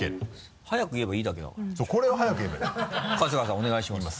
お願いします。